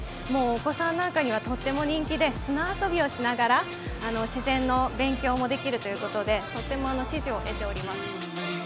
お子さんなんかにはとても人気で砂遊びをしながら自然の勉強もできるということでとても支持を得ております